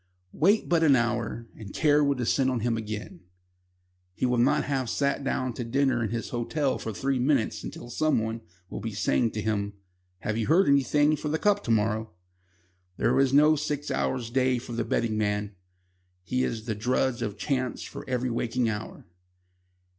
Wait but an hour, and care will descend on him again. He will not have sat down to dinner in his hotel for three minutes till someone will be saying to him: "Have you heard anything for the Cup to morrow?" There is no six hours day for the betting man. He is the drudge of chance for every waking hour.